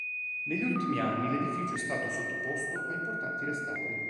Negli ultimi anni l'edificio è stato sottoposto a importanti restauri.